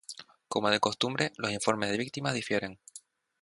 Como de costumbre, los informes de víctimas difieren.